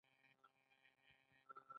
د مثال په توګه دا د پارلمان لخوا کیږي.